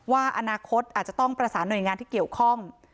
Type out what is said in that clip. ว่าอนาคตอาจจะต้องประสานหน่วยงานที่เกี่ยวข้อง